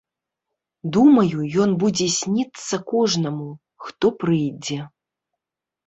Думаю, ён будзе сніцца кожнаму, хто прыйдзе.